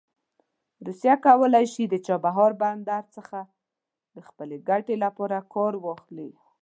روسیه کولی شي د چابهار بندر څخه د خپلې ګټې لپاره کار واخلي.